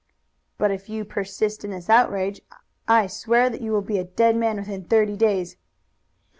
"But if you persist in this outrage I swear that you will be a dead man within thirty days."